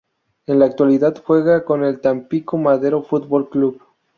En la actualidad juega con el Tampico Madero Fútbol Club.